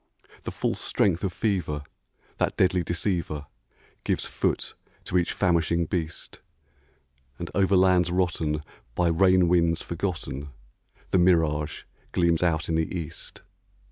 The false strength of fever, that deadly deceiver, Gives foot to each famishing beast; And over lands rotten, by rain winds forgotten, The mirage gleams out in the east.